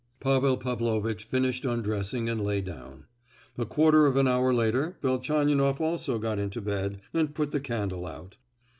Pavel Pavlovitch finished undressing and lay down. A quarter of an hour later Velchaninoff also got into bed, and put the candle out.